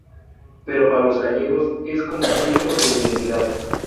Pero para los gallegos es como un signo de identidad.